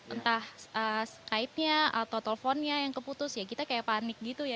entah skype nya atau teleponnya yang keputus ya kita kayak panik gitu ya